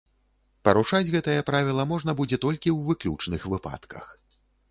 Парушаць гэтае правіла можна будзе толькі ў выключных выпадках.